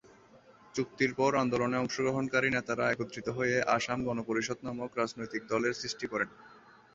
চুক্তির পর আন্দোলনে অংশগ্রহণকারী নেতারা একত্রিত হয়ে আসাম গণ পরিষদ নামক রাজনৈতিক দলের সৃষ্টি করেন।